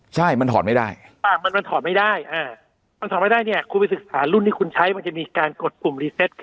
ใช่มันถอดไม่ได้คุณไปศึกษารุ่นนี่มันจะมีปุ่มรีซบ